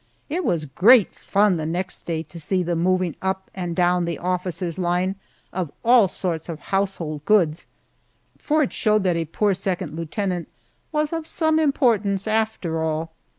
It was great fun the next day to see the moving up and down the officers' line of all sorts of household goods, for it showed that a poor second lieutenant was of some importance after all!